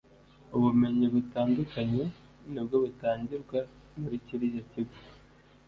ubumenyi butandukanye nibwo butangirwa muri kiriya kigo